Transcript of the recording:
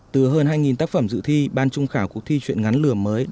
từ hơn hai tác phẩm dự thi ban trung khảo cuộc thi chuyện ngắn lửa mới